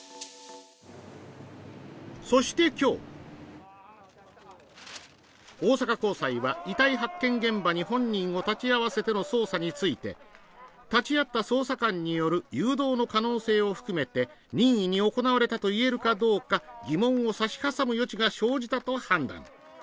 そして今日、大阪高裁は遺体発見現場に本人を立ち会わせての捜査について立ち会った捜査官による誘導の可能性を含めて任意に行われたといえるかどうか疑問を差し挟む余地が生じたと判断。